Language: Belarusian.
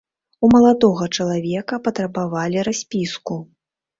У маладога чалавека патрабавалі распіску.